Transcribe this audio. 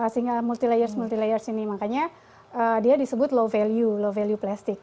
sehingga multi layers multi layers ini makanya dia disebut low value low value plastic